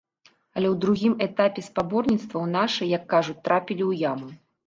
Але ў другім этапе спаборніцтваў нашы, як кажуць, трапілі ў яму.